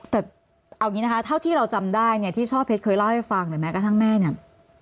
แต่เอาอย่างนี้นะคะเท่าที่เราจำได้เนี่ยที่ช่อเพชรเคยเล่าให้ฟังหรือแม้กระทั่งแม่เนี่ย